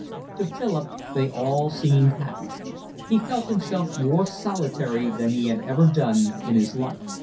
To Philip they all seemed happy. He felt himself more solitary than he had ever done in his life.